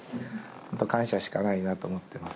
ホント感謝しかないなと思ってます。